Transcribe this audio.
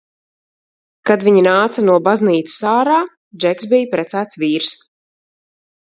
Kad viņi nāca no baznīcas ārā, Džeks bija precēts vīrs.